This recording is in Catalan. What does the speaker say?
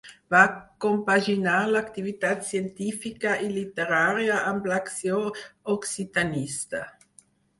Va compaginar l'activitat científica i literària amb l’acció occitanista.